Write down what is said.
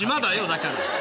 だから。